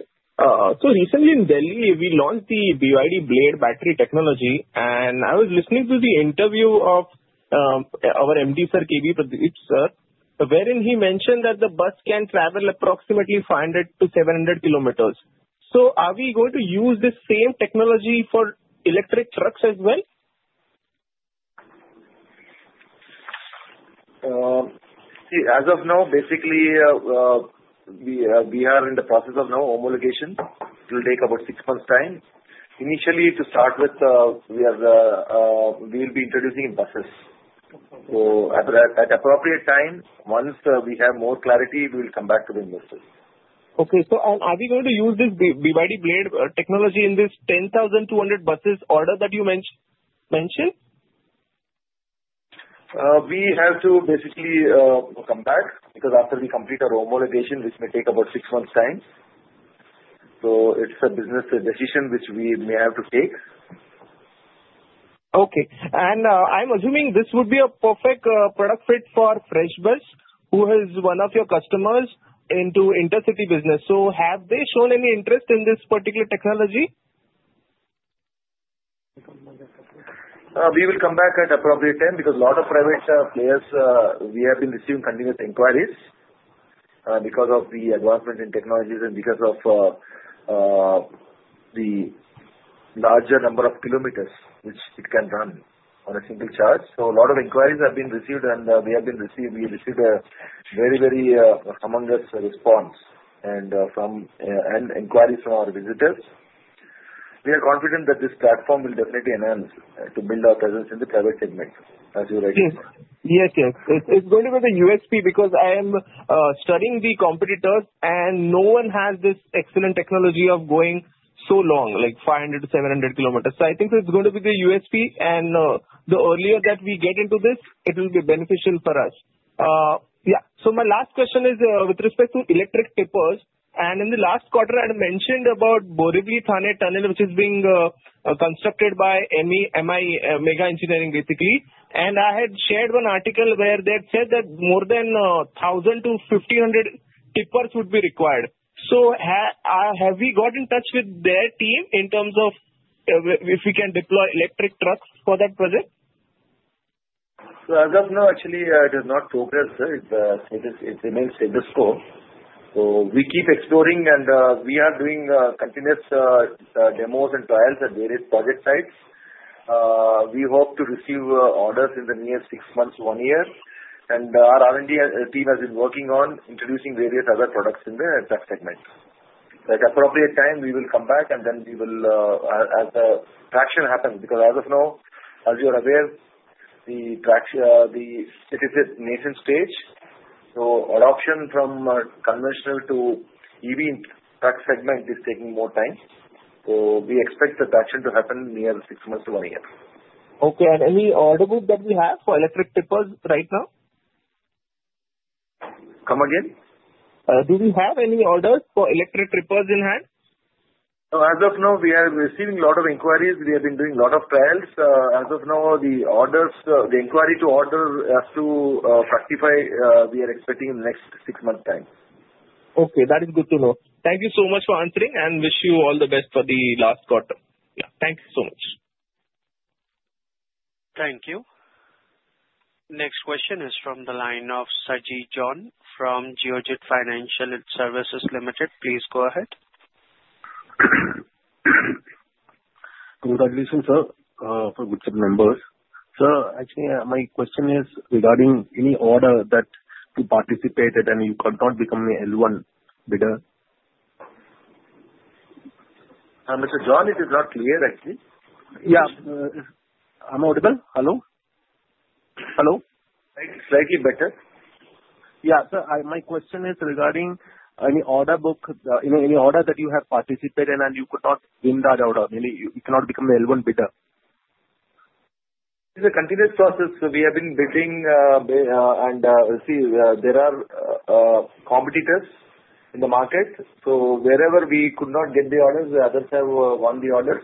Speaker 1: Recently in Delhi, we launched the BYD blade battery technology. I was listening to the interview of our MD, Sir K. V. Pradeep, wherein he mentioned that the bus can travel approximately 500-700 kilometers. Are we going to use this same technology for electric trucks as well?
Speaker 3: As of now, basically, we are in the process of now homologation. It will take about six months' time. Initially, to start with, we will be introducing buses. At appropriate time, once we have more clarity, we will come back to the investors. Okay. So are we going to use this BYD blade technology in this 10,200 buses order that you mentioned? We have to basically come back because after we complete our homologation, which may take about six months' time, so it's a business decision which we may have to take. Okay. And I'm assuming this would be a perfect product fit for FreshBus, who is one of your customers in the intercity business. So have they shown any interest in this particular technology? We will come back at the appropriate time because a lot of private players, we have been receiving continuous inquiries because of the advancement in technologies and because of the larger number of kilometers which it can run on a single charge. So a lot of inquiries have been received, and we have received. We received a very, very humongous response and inquiries from our visitors. We are confident that this platform will definitely enhance to build our presence in the private segment as you're aiming for. Yes, yes. It's going to be the USP because I am studying the competitors, and no one has this excellent technology of going so long, like 500-700 km. So I think it's going to be the USP. And the earlier that we get into this, it will be beneficial for us. Yeah. So my last question is with respect to electric tippers. And in the last quarter, I had mentioned about Borivali Thane Tunnel, which is being constructed by Megha Engineering, basically. And I had shared one article where they had said that more than 1,000-1,500 tippers would be required. So have we got in touch with their team in terms of if we can deploy electric trucks for that project? So as of now, actually, it has not progressed. It's remained status quo. So we keep exploring, and we are doing continuous demos and trials at various project sites. We hope to receive orders in the near six months to one year. And our R&D team has been working on introducing various other products in that segment. At appropriate time, we will come back, and then we will have the traction happen. Because as of now, as you are aware, the city is at nascent stage. So adoption from conventional to EV truck segment is taking more time. So we expect the traction to happen near six months to one year. Okay. And any order book that we have for electric tippers right now? Come again? Do we have any orders for electric tippers in hand? So as of now, we are receiving a lot of inquiries. We have been doing a lot of trials. As of now, the inquiry to order has to fructify. We are expecting in the next six months' time. Okay. That is good to know. Thank you so much for answering, and wish you all the best for the last quarter. Yeah. Thank you so much.
Speaker 1: Thank you. Next question is from the line of Saji John from Geojit Financial Services Limited. Please go ahead.
Speaker 13: Good day, Yusuf, sir, for Q3 numbers. Sir, actually, my question is regarding any order that to participate and you cannot become the L1 bidder?
Speaker 3: Mr. John, it is not clear, actually.
Speaker 13: Yeah. I'm audible. Hello? Hello?
Speaker 3: Slightly better.
Speaker 13: Yeah. Sir, my question is regarding any order book, any order that you have participated in and you could not win that order, meaning you cannot become the L1 bidder?
Speaker 3: It's a continuous process. So we have been bidding, and see, there are competitors in the market. So wherever we could not get the orders, the others have won the orders.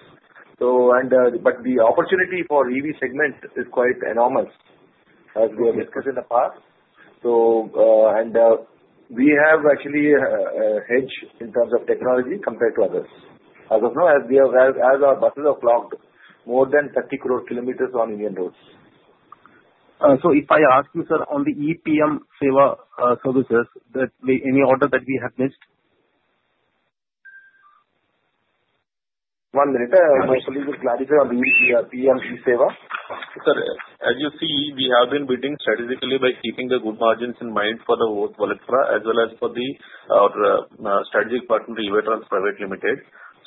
Speaker 3: But the opportunity for EV segment is quite enormous, as we have discussed in the past. And we have actually a hedge in terms of technology compared to others. As of now, as our buses have clocked more than 30 crore kilometers on Indian roads.
Speaker 13: So if I ask you, sir, on the PM-eBus Sewa services, any order that we have missed?
Speaker 3: One minute. I just want to clarify on the PM-eBus Sewa. Sir, as you see, we have been bidding strategically by keeping the good margins in mind for both Olectra as well as for our strategic partner, Evey Trans Private Limited.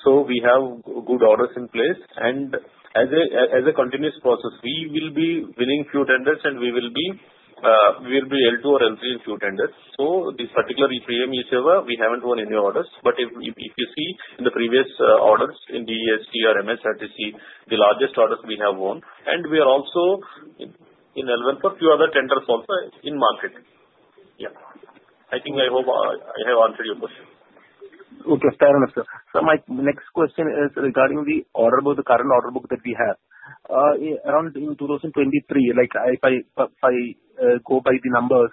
Speaker 3: So we have good orders in place. And as a continuous process, we will be winning few tenders, and we will be L2 or L3 in few tenders. So this particular PM-eBus Sewa, we haven't won any orders. But if you see in the previous orders in BEST or MSRTC, the largest orders we have won. And we are also in L1 for a few other tenders also in market. Yeah. I think I hope I have answered your question.
Speaker 13: Okay. Fair enough, sir. So my next question is regarding the order book, the current order book that we have. Around 2023, if I go by the numbers,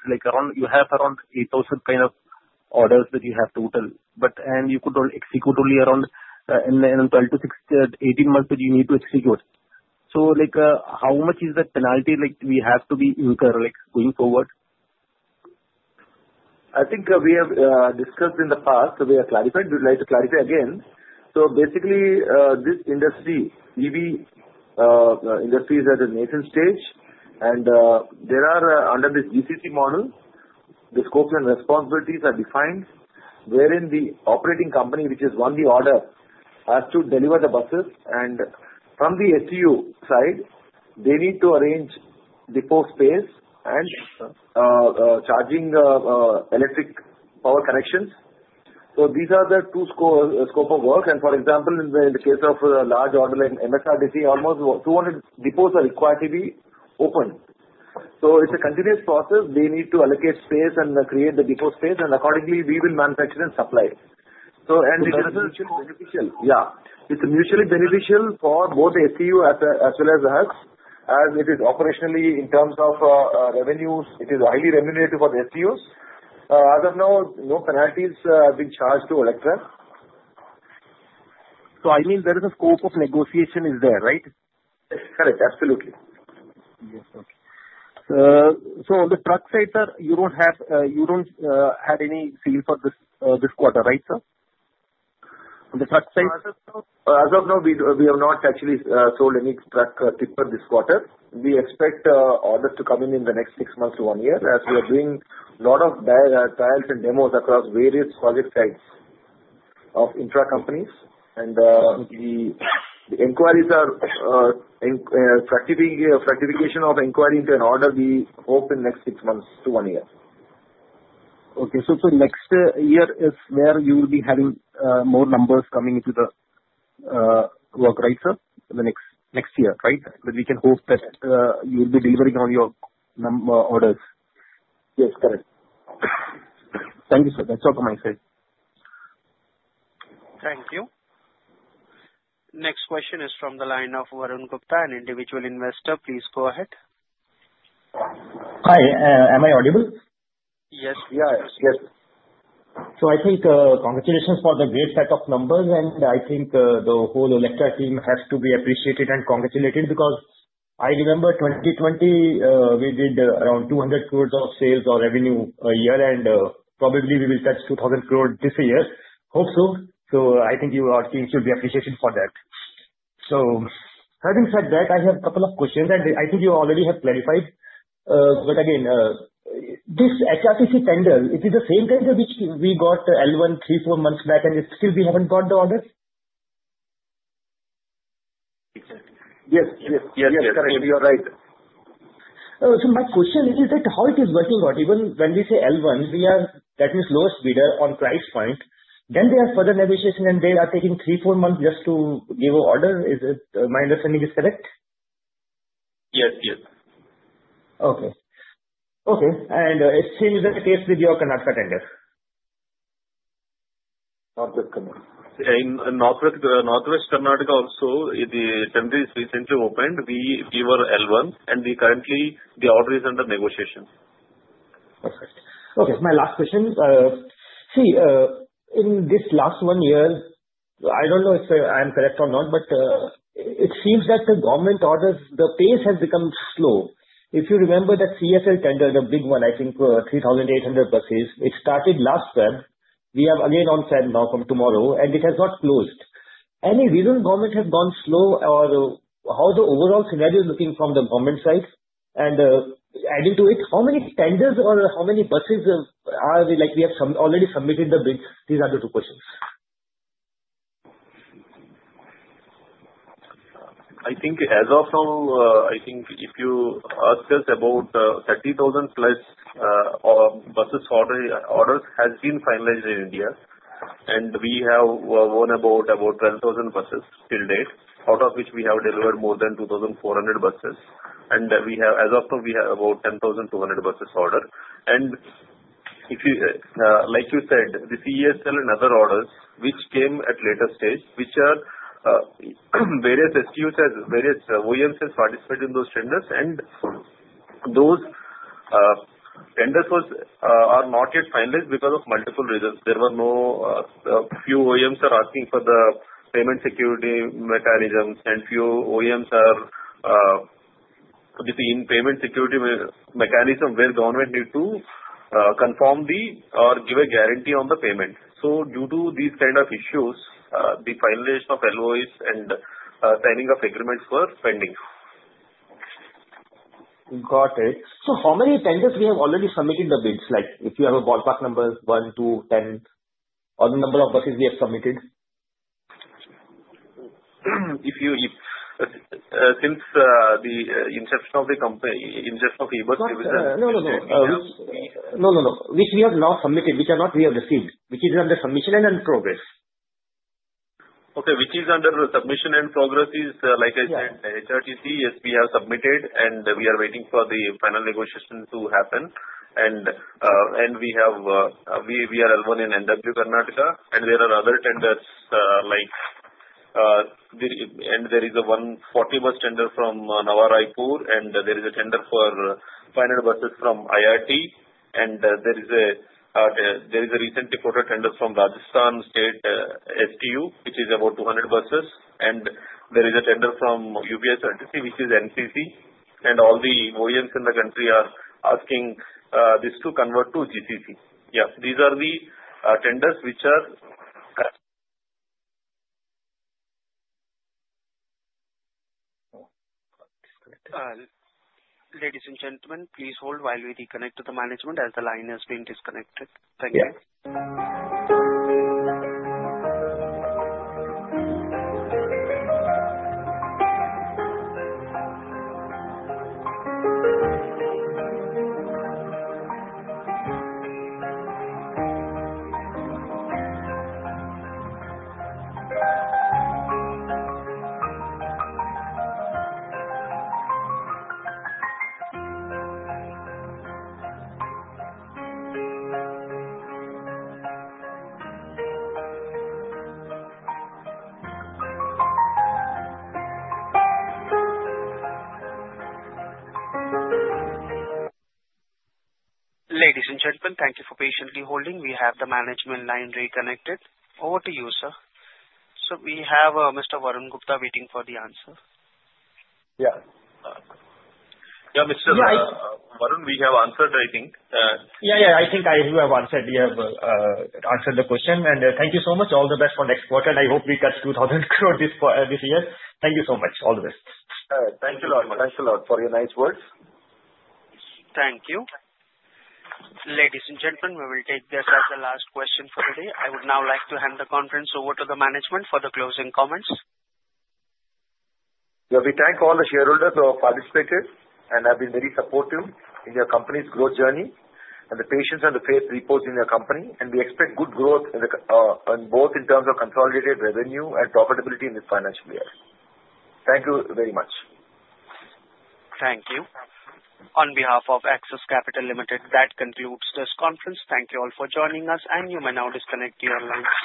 Speaker 13: you have around 8,000 kind of orders that you have total. And you could only execute only around in 12-18 months that you need to execute. So how much is the penalty we have to incur going forward?
Speaker 3: I think we have discussed in the past. We have clarified. We'd like to clarify again. So basically, this industry, EV industry is at a nascent stage. And under this GCC model, the scopes and responsibilities are defined, wherein the operating company, which has won the order, has to deliver the buses. And from the STU side, they need to arrange depot space and charging electric power connections. So these are the two scopes of work. And for example, in the case of large order like MSRTC, almost 200 depots are required to be open. So it's a continuous process. They need to allocate space and create the depot space. And accordingly, we will manufacture and supply. And it's mutually beneficial. Yeah. It's mutually beneficial for both the STU as well as us, as it is operationally in terms of revenues. It is highly remunerative for the STUs. As of now, no penalties have been charged to Olectra.
Speaker 13: I mean there is a scope of negotiation is there, right?
Speaker 3: Correct. Absolutely.
Speaker 13: Yes. Okay. So, on the truck side, sir, you don't have any sale for this quarter, right, sir? On the truck side?
Speaker 3: As of now, we have not actually sold any truck tipper this quarter. We expect orders to come in the next six months to one year, as we are doing a lot of trials and demos across various project sites of infrastructure companies, and the inquiries are fructification of inquiry into an order we hope in the next six months to one year.
Speaker 13: Okay. So next year is where you will be having more numbers coming into the work, right, sir? The next year, right? But we can hope that you will be delivering on your orders.
Speaker 3: Yes. Correct.
Speaker 13: Thank you, sir. That's all from my side.
Speaker 1: Thank you. Next question is from the line of Varun Gupta an individual investor. Please go ahead.
Speaker 9: Hi. Am I audible?
Speaker 1: Yes.
Speaker 3: Yes. Yes.
Speaker 9: So I think congratulations for the great set of numbers. And I think the whole Olectra team has to be appreciated and congratulated because I remember 2020, we did around 200 crores of sales or revenue a year. And probably we will touch 2,000 crores this year. Hope so. So I think your team should be appreciated for that. So having said that, I have a couple of questions. And I think you already have clarified. But again, this HRTC tender, it is the same tender which we got L1 three, four months back, and still we haven't got the order?
Speaker 3: Yes. Yes. Yes. Correct. You are right.
Speaker 9: So my question is that how it is working out? Even when we say L1, we are that means lowest bidder on price point. Then they have further negotiation, and they are taking three, four months just to give an order. Is my understanding correct?
Speaker 3: Yes. Yes.
Speaker 9: Okay. Okay. And it seems that case with your Karnataka tender?
Speaker 3: Western Karnataka. North Western Karnataka also, the tender is recently opened. We were L1, and currently, the order is under negotiation.
Speaker 9: Perfect. Okay. My last question. See, in this last one year, I don't know if I'm correct or not, but it seems that the government orders, the pace has become slow. If you remember that CESL tender, the big one, I think 3,800 buses, it started last February. We are again on February now from tomorrow. And it has not closed. Any reason government has gone slow? Or how the overall scenario is looking from the government side? And adding to it, how many tenders or how many buses are we like we have already submitted the bids? These are the two questions.
Speaker 3: I think as of now, I think if you ask us about 30,000 plus buses orders has been finalized in India and we have won about 12,000 buses till date, out of which we have delivered more than 2,400 buses. And as of now, we have about 10,200 buses ordered. And like you said, the CESL and other orders, which came at later stage, which are various STUs as various OEMs have participated in those tenders. And those tenders are not yet finalized because of multiple reasons. There were no few OEMs are asking for the payment security mechanisms. And few OEMs are within payment security mechanism where government need to confirm the or give a guarantee on the payment. So due to these kind of issues, the finalization of LOAs and signing of agreements were pending.
Speaker 9: Got it. So how many tenders we have already submitted the bids? Like if you have a ballpark number, one, two, 10, or the number of buses we have submitted?
Speaker 3: Since the inception of the company, the inception of electric buses, it was.
Speaker 9: No, no, no. No, no, no. Which we have not submitted, which we have not received, which is under submission and in progress.
Speaker 3: Okay. Which is under submission and progress is, like I said, HRTC. Yes, we have submitted, and we are waiting for the final negotiation to happen. And we are L1 in NW Karnataka. And there are other tenders like, and there is a 140-bus tender from Nava Raipur, and there is a tender for 500 buses from IRT. And there is a recently quoted tender from Rajasthan State STU, which is about 200 buses. And there is a tender from UPSRTC, which is NCC. And all the OEMs in the country are asking this to convert to GCC. Yeah. These are the tenders which are.
Speaker 1: Ladies and gentlemen, please hold while we reconnect to the management as the line has been disconnected. Thank you. Ladies and gentlemen, thank you for patiently holding. We have the management line reconnected. Over to you, sir. So we have Mr. Varun Gupta waiting for the answer.
Speaker 3: Yeah. Yeah, Mr. Varun, we have answered, I think.
Speaker 9: Yeah. Yeah. I think you have answered. You have answered the question, and thank you so much. All the best for next quarter, and I hope we touch 2,000 crores this year. Thank you so much. All the best.
Speaker 3: Thank you a lot. Thanks a lot for your nice words.
Speaker 1: Thank you. Ladies and gentlemen, we will take this as the last question for today. I would now like to hand the conference over to the management for the closing comments.
Speaker 3: We thank all the shareholders who have participated and have been very supportive in your company's growth journey and the patience and the faith reposed in your company. And we expect good growth both in terms of consolidated revenue and profitability in this financial year. Thank you very much.
Speaker 1: Thank you. On behalf of Axis Capital Limited, that concludes this conference. Thank you all for joining us. And you may now disconnect your lines.